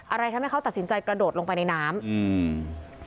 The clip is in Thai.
อะไรทำให้เขาตัดสินใจกระโดดลงไปในน้ำอืม